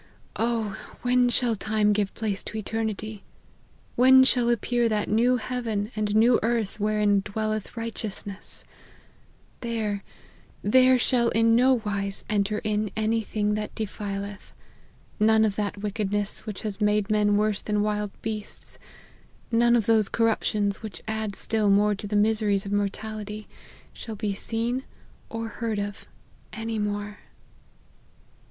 Oh ! when shall time give place to eternity ! When shall appear that new heaven and new earth wherein dwelleth righteousness ! There, there shall in no wise enter in any thing that defileth : none of that wickedness which has made men worse than wild beasts, none of those corruptions which add still more to the miseries of mortality, shall be seen or heard of any more."